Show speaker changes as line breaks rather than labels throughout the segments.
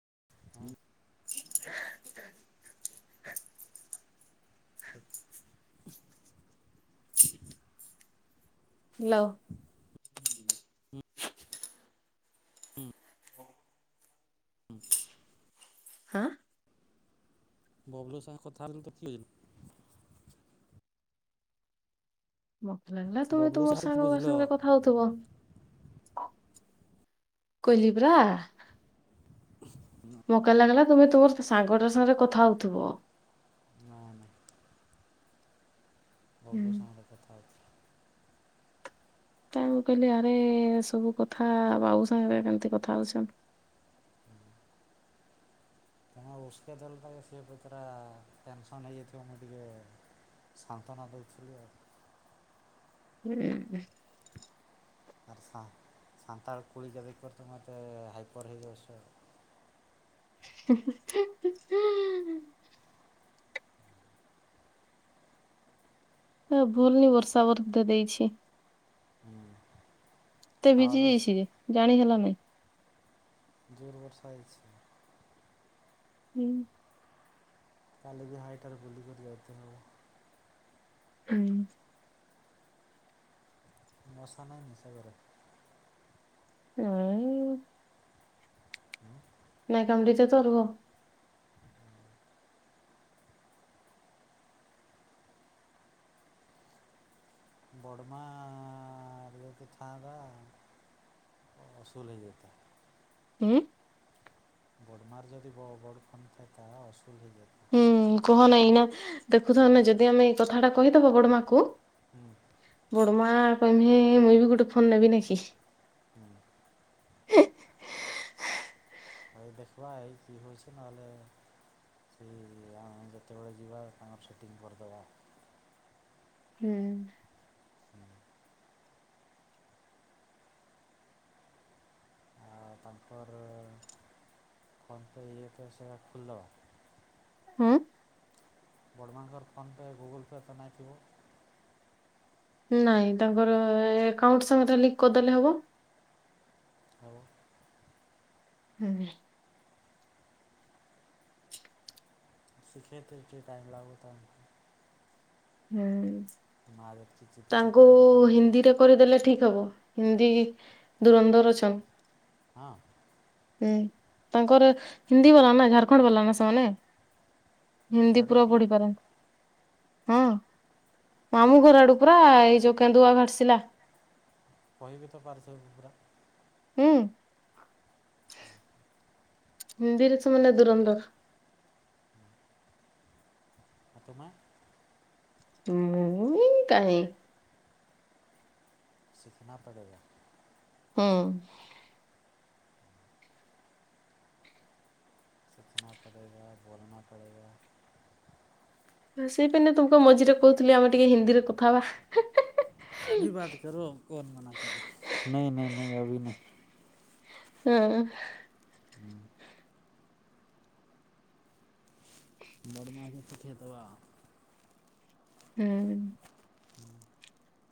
ହୁଁ ହାଁ ହାଁ।
ସ [inaudible]
ଲ।
ହୁଁ।
ହାଁ।
ବବୁଲୁ ସାଙ୍ଗେ କଥା ହେଲନି ତ କିି [unintelligible]
ମତେ ଲାଗିଲା ତୁମେ
ବବଲୁ ସାଙ୍ଗେ କି
ତୁମର
ବୁଝିଲ
ସାଙ୍ଗେ କଥା ହେଉଥିବ। କୋଇଲି ପରା। ମକା ଲାଗଲା। ତୁମେ ତୁମର ସାଙ୍ଗଟା ସାଙ୍ଗରେ କଥା ହଉଥିବ।
ହଁ।
ହୁଁ
ବବୁଲୁ ସାଙ୍ଗରେ କଥା ହଉଥି
ତାଆଉ ମୁଁ କହିଲି ଆରେ ସବୁ କଥା ବାବୁ ସାଙ୍ଗରେ କେମତି କଥା ହଉଛ?
[unintelligible] ଟେନସନ୍ ହେଇଯାଇଥିବ ମୁଁ ଟିକେ ସାନ୍ତ୍ୱନା ଦେଉଥିଲି ଆଉ।
ହୁଁ ଉହୁଁ।
[unintelligible] ମୋତେ ହାଇପର ହେଇଯାଉଛେ ଆଉ।
ହୁଁ ହୁନ ହୁଁ। ହ ଭୁଲନି ବର୍ଷା ବ [unintelligible] ଦେଇଛି।
ଆଉ ହୁଁ
ଏତେ
ହାୱା
ବିଜି ହେଇଛି
ଦଉଛି
ଯେ ଜାଣି ହେଲା ନାଇଁ।
ଜୋର ବର୍ଷା ହେଇଛି।
ହୁଁ।
କାଲି ବି ହାଇଟାରେ ବୁଲିକରି ଯାଇଥିଲେ ହେବ।
ହୁଁ।
ମଶା ନାହିଁ ମାସରି ବା [unintelligible]
ନାଇଁ।
ହୁଁ।
କାଉଣ୍ଡି ଶେଷ ରୁହ।
ବଡ଼ମା ରୁ [unintelligible] ଥାନ୍ତା ଅସୁଲ ହେଇଯାଇଥାନ୍ତା।
ହୁଁ।
ବଡ଼ମାର୍ ଯଦି ବ ବଡ଼ ଖଣ୍ଡ ଖାଇ ତାହା ଅସୁଲ ହେଇଯି
ହୁଁ କୁହ ନାଇଁ ନା ଦେଖୁଥା ନା ଯଦି ଆମେ ଏଇ କଥାଟା କହିଦବ ବଡ ମା କୁ
ହୁଁ।
ତୁମାର କହିମି ମୁଇଁ ବି ଗୋଟେ ଫୋନ ନେବି ନାଇ କି?
ହୁଁ। ଏଇ ଦେଖିବା ଏଇ କିଏ ହଉଛ ନହେଲେ ସେ ଯେତେବେଳେ ଯିବା ତାଙ୍କର ସେଟିଙ୍ଗ କରିଦେବା।
ହୁଁ।
ଆଉ ତାଙ୍କର ଫୋନ୍ ପେ ଇଏପେମ୍ ସେଇଟା ଖୁଲଦବା।
ହଁ।
ବଡମାନଙ୍କର ଫୋନ୍ ପେ ଗୁଗୁଲ୍ ପେ ତ ନାଇଥିବ।
ନାଇଁ ତାଙ୍କର ଏ -ଏକାଉଣ୍ଟ ସାଙ୍ଗେ ରେ ଲଙ୍କ୍ କରିଦେଲେ ହବ।
ଆଉ।
ହୁଁ।
ସିଖେଇଥ କି ଟାଇମ ଲାଗୁ ତ ଆମ
ହୁଁ।
ମାରେ
ତାଙ୍କୁ ହିନ୍ଦୀରେ କରିଦେଲେ ଠିକ ହବ। ହିନ୍ଦୀ ଦୁରନ୍ଧର ଅଛ।
ହଁ।
ହୁଁ ତାଙ୍କର ହିନ୍ଦୀ ବାଲା ନା ଝାରଖଣ୍ଡ ବାଲା ନା ସେମାନେ। ହିନ୍ଦୀ
ସିଆଡ଼ୁ
ପୁରା
କି
ପଢି ପାରନ୍। ହଁ ମାମୁଁ ଘର ଆଡୁକ୍ ପୁରା ଏଇ ଯୋଉ କେନ୍ଦୁଅ ଭାଟସିଲା।
କହି ବିି ତ ପାରୁଥିବ ପୁରା।
ହୁଁ, ହିନ୍ଦୀରେ ସେମାନେ ଦୁରନ୍ଧର୍।
ଆତୋ ମା?
ମୁଁ-ଉ କାହିଁ?
ସିଖନା ପଡେଗା।
ହୁଁ।
ସିଖନା ପଡ଼େଗା ବୋଲନା ପଡ଼େଗା।
ସେଇପାନେ ତମକୁ ମଝିରେ କହୁଥିଲି ଆମେ ଟିକେ ହିନ୍ଦୀରେ କଥା ହେବା।
ଅଭି ବାତ କରୋ କୋନ୍ ମନା କରରେ ନେଁ ନେଁ ନେଁ ଅଭି ନେଁଇ।
ହୁଁ।
ହୁଁ। ବଡ଼ମାକୋ ସିଖେ ଦବା ଆଉ।
ହୁଁ।
ହୁଁ।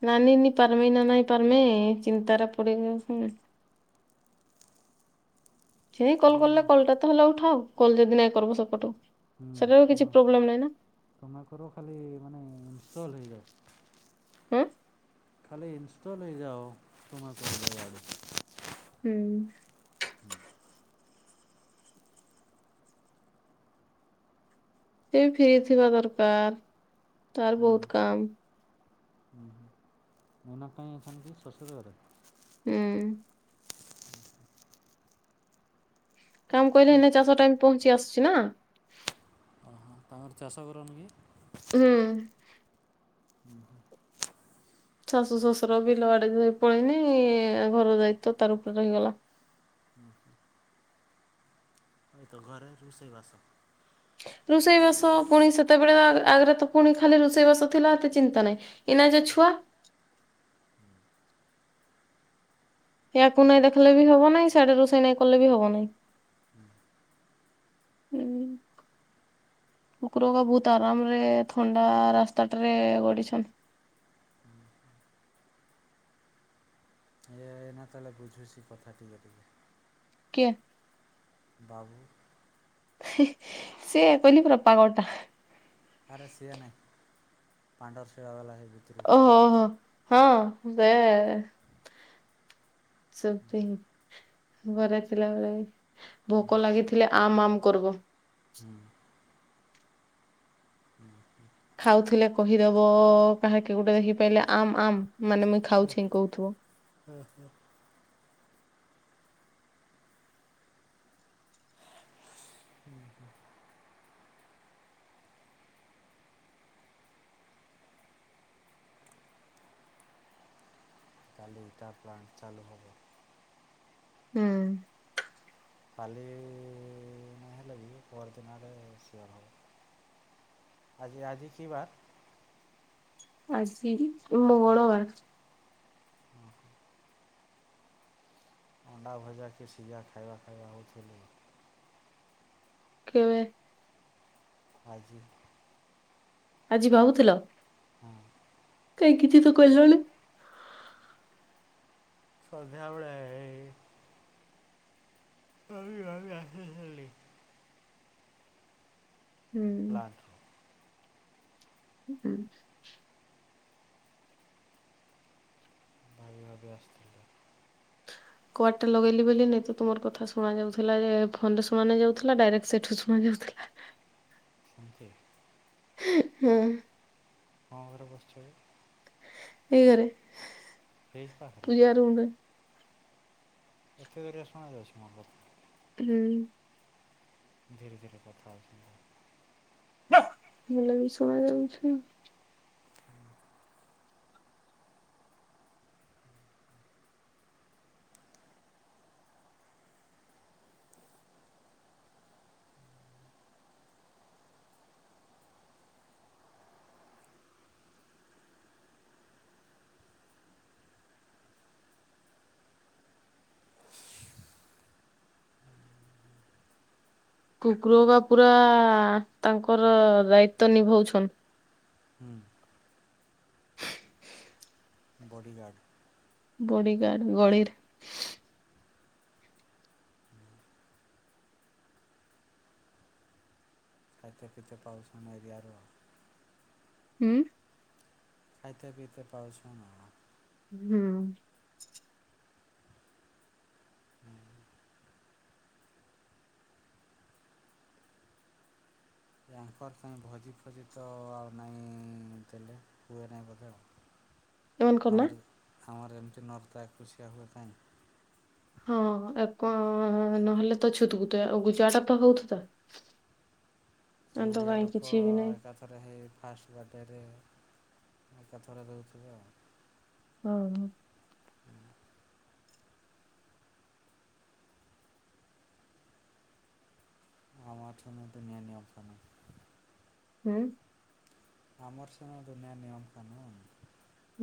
ନା ନି ନି ପାରମେ ନା ନାଇଁ ପାରମେ ଚିନ୍ତାରେ ପଡିଯାଉ ସମ୍ ଛେଇ କଲ କଲେ କଲଟା ତ ହେଲେ ଉଠାଓ। କଲ ଯଦି ନାଇଁ କରବୁ ସେପଟୁ
ହୁଁ
ସେଟାରୁ କିଛି
ତୁମ
ପ୍ରୋବ୍ଲେମ ନାହିଁ ନା
ତୁମଙ୍କର ଖାଲି ମାନେ ଇନଷ୍ଟଲ ହେଇଯାଏ।
ହଁ।
ଖାଲି ଇନ୍ଷ୍ଟଲ ହେଇଯାଅ ତୁମକୁ [unintelligible]
ହୁଁ।
[inaudible]
ସେ ଫେରି ଥିବା ଦର୍କାର୍। ତାର୍ ବହୁତ କାମ୍।
ହ ହ ମୋନା କାଇଁ ଅଛନ୍ତି ଶ୍ୱଶୁର ଗରେ।
ହୁଁ। କାମ୍ କଇଲେ
କି
ଏଇନେ ଚାସ ଟାଇମ ପହଞ୍ଚ୍ ଚି ଆସ୍ଚି ନାଆ।
ଓହୋ ତାଙ୍କର ଚାଷ କରନି କି?
ହୁଁ।
ହୁଁ।
ଶାଶୁ ଶ୍ୱଶୁର ବିଲ ଆଡେ ଯେ ପଳେଇନି ଘର ଦାଇତ୍ବ ତାର ଉପରେ ରହିଗଲା।
ହୁଁ ହୁଁ। ଏ ତ ଘରେ ରୋଷେଇବାସ
ରୁଷେଇ ବାସ ପୁଣି ସେତେବେଳେ ଆ-ଆଗରେ ତ ପୁଣି ଖାଲି ରୋଷେଇ ବାସ ଥିଲା ଏତେ ଚିନ୍ତା ନାଇଁ ଇନା ଯେ ଛୁଆ। [inaudible] ସେଆକୁ ନେଇ ଦେଖଲେ ବି ହବ ନାହିଁ ସେଆଡ ରୋଷେଇ ନାଇ କଲେ ବି ହବ ନାହିଁ। କୁକୁରକୁ ବହୁତ ଆରାମରେ ଥଣ୍ଡା ରାସ୍ତାଟାରେ ଗଡିଛନ୍।
ହେନା ତାହେଲେ ବୁଝୁଛି କଥା ଟିକେ [unintelligible]
କିଏ?
ବାବୁ।
ହି ସେ [unintelligible] ପୁରା ପାଗଳଟା।
ଆରେ ସିଏ ନାହିଁ [inaudible] [inaudible]
ଓହୋ ଓହୋ ହଁ ବେ ସେବି ଘରେ ଥିଲାବେଳେ
ହୁଁ
ଭୋକ ଲାଗିଥିଲେ ଆମ ଆମ କର୍ବ।
ହୁଁ। [inaudible]
ଖାଉଥିଲେ କହିଦବ କାହକେ ଗୋଟେ ଦେଖିପାଇଲେ ଆମ୍ ଆମ୍। ମାନେ ମୁଇଁ ଖାଉଛିନ୍ କହୁଥିବ।
[inaudible] କାଲିଇଟା ପ୍ଲାଣ୍ଟ ଚାଲୁ ହେବ।
ହୁଁ
କାଲି ହେଲେ ବି ପରଦିନରେ [unintelligible] ହବ ଆଜି ଆଜି ଯିବା।
ଆଜି ମଙ୍ଗଳ ବାର।
ଅଣ୍ଡା ଭଜାକେ ସିଝା ଖାଇବା ଖାଇବା ହଉଥିଲେ।
କେବେ?
ଆଜି।
ଆଜି ଭାବୁଥିଲ?
[inaudible]
କାହିଁ କିଛି ତ କହିଲଣି।
ସନ୍ଧ୍ୟାବେଳେ ଏଇ। ଭାବି ଭାବି ଆସିଥିଲି।
ହୁଁ।
ପ୍ଲାଣ୍ଟରୁ
[unintelligible]
ଭାବି ଭାବି ଆସୁଥିଲି।
କୁଆଡଟା ଲଗେଇଲି ବୋଲି ନାଇଁ ତ ତୁମର୍ କଥା ଶୁଣା ଯାଉଥିଲା। ଯେ ଫୋନରେ ଶୁଣା ନାଇଁ ଯାଉଥିଲା ଡାଇରେକ୍ଟ ସେଠୁ ଶୁଣା ଯାଉଥିଲା।
[inaudible]
[unintelligible] ହଁ।
ମଁ ଘରେ ପସିଛ କି?
ଏଇ ଘରେ।
ପାଖରେ
ପୂଜା ରୁମ୍ ରେ।
[unintelligible]
ହୁଁ।
ଧୀରେ ଧୀରେ କଥା ହବା।
ଭଲ ବି ଶୁଣା ଯାଉଛି। କୁକୁର ବା ପୁରା ତାଙ୍କର ପୁରା ଦାୟିତ୍ୱ ନିଭାଉଛନ୍ତି
ହୁଁ। ବଡ଼ିଗାର୍ଡ଼।
ବଡିଗାର୍ଡ ଗଳିରେ।
[inaudible]
ହୁଁ।
ଖାଇତେ ପିଇତେ ପାଉଛୁ।
ହୁଁ।
ୟାଙ୍କର କାଇଁ ଭୋଜି ଫୋଜି ତ ଆଉ ନାଇଁ ଦେଲେ ହୁଏ ନାହିଁ ବୋଧେ ଆଉ।
ଅନ୍ କରନା
ଆମର ଆମର ଏମିତି ନର୍ତା ଏକୁସିଆ ହୁଏ କଇଁ?
ହଁ ଏକ ନହେଲେ ତ ଛୁତୁକ [unintelligible]
ଓଡ଼ିଆ ଲୋକ ଏକାଥରେ ହେଇ ଫାଷ୍ଟ ବାର୍ଥଡେରେ ଏକାଥରେ ଦୋଉଥିବେ ଆଉ।
ହଁ।
[unintelligible]
ହୁଁ।
ଆମର ସିନା ଦୁନିଆ ନିୟମକାନୁନ।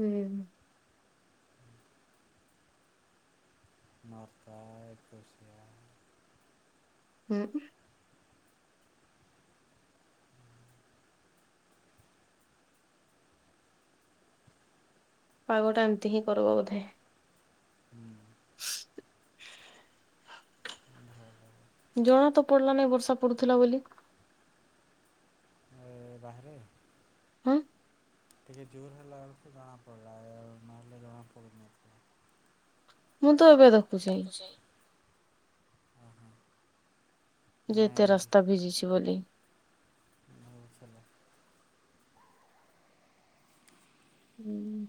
ହୁଁ। [inaudible]
ନଟା ଏକୋଇଶି ହେଲାଣି।
ହୁଁ। ପାଗଟା ଏମିତି ହିଁ କରିବ ବୋଧେ।
ହୁଁ। ଭଲ
ଜଣା ତ ପଡିଲା ନାଇଁ ବର୍ଷା ପଡୁଥିଲା ବୋଲି।
ବାହରେ?
ହଁ।
ଟିକେ ଜୋର ହେଲା ବେଳ ଜଣା ପଡିଲା ନହେଲେ ଜଣା ପଡୁନଥିଲା।
[unintelligible] ତ [unintelligible]
ଓହୋ ନାଇଁ
ଯେତେ ରାସ୍ତା ଭିଜିଛି ବୋଲି
[unintelligible]
ହୁଁ।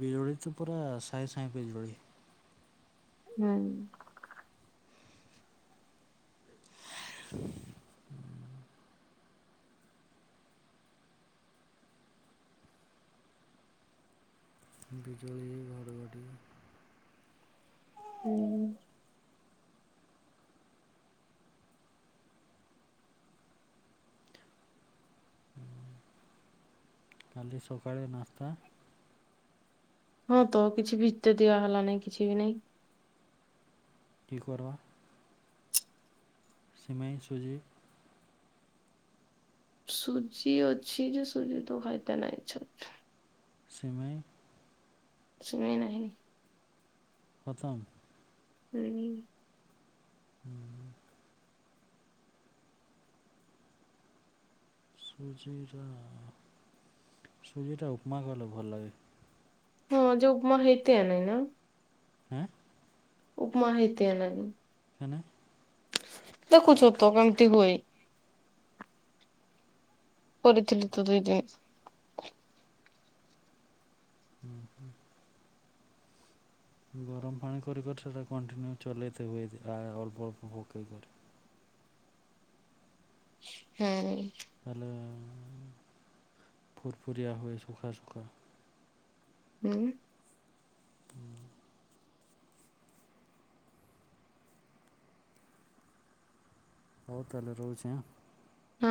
ବିଜୁଳିତ ପୁରା ସାଇସାଇ ବିଜଳି।
ହୁଁ।
[inaudible] ବିଜୁଳି ଘର
ହୁଁ।
କାଲି ସକାଳେ ନାସ୍ତା?
ହଁ ତ କିଛି ଭିତରିଆ ହେଲାନାଇଁ କିଛି ବି ନାଇଁ।
କି କରବା? ସିମେଇଁ ସୁଜି
ସୁଜି ଅଛି ଯେ ସୁଜି ତୁ ଖାଇତା ନାଇ ଚ୍ଛେତ
ସିମେଇଁ?
ସିମେଇଁ ନାଇନି।
ଖତମ୍?
[unintelligible]
ହୁଁ। ସୁଜିଟା ସୁଜିଟା ଉପମା କଲେ ଭଲ ଲାଗେ।
ହଁ ଯେଉମା ହେଇତ ନେଇନା।
ଏଁ
ଉପମା ହେଇତେ ନା।
କେନେ
ଦେଖୁଛୁ ତ କମତି ହୁଏ। [inaudible] ତ ଦୁଇଦ
ହୁଁ ହୁଁ। ଗରମ ପାଣି କରିକରି ସେଇଟା କଣ୍ଟିନ୍ୟୁ ଚଲେଇତେ ହୁଏ ଆ ଅଳ୍ପ ଅଳ୍ପ ପକେଇକରି।
ହଁ।
ତାହଲେ ଫୁରଫୁୁରଆ ହୋଇ ଶୁଖା ଶୁଖା
ବ [inaudible]
ହଉ ତାହେଲେ ରହୁଛି ଆଁ
ହଁ।